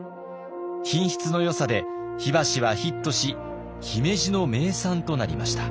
品質のよさで火箸はヒットし姫路の名産となりました。